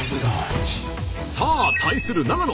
さあ対する長野。